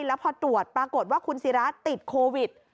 แล้วพอตรวจปรากฏว่าคุณศิราติดโควิด